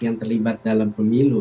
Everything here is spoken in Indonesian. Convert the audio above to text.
yang terlibat dalam pemilu